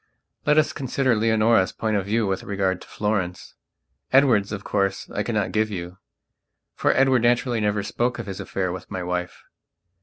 Let us consider Leonora's point of view with regard to Florence; Edward's, of course, I cannot give you, for Edward naturally never spoke of his affair with my wife.